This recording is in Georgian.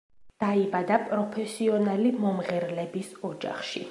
დაიბადა პროფესიონალი მომღერლების ოჯახში.